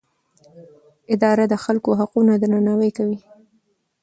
اداره د خلکو حقونه درناوی کوي.